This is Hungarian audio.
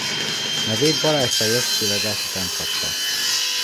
Nevét Balázs Lajos csillagász után kapta.